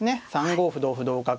３五歩同歩同角